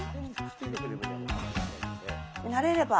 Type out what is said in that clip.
慣れれば。